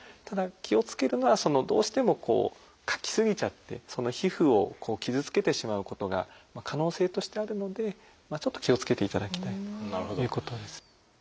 ただ気をつけるのはどうしてもかき過ぎちゃって皮膚を傷つけてしまうことが可能性としてあるのでちょっと気をつけていただきたいということです。